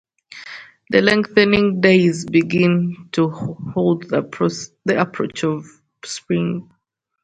The lengthening days begin to herald the approach of spring.